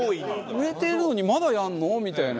「売れてるのにまだやるの？」みたいな。